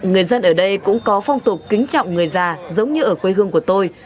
người dân ở đây cũng có phong tục kính trọng người già giống như ở quê hương của tôi